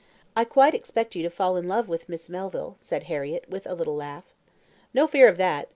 I quite expect you to fall in love with Miss Melville," said Harriett, with a little laugh. "No fear of that.